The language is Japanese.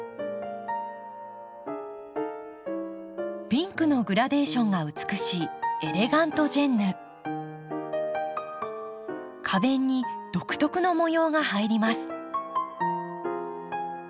ピンクのグラデーションが美しい花弁に独特の模様が入ります。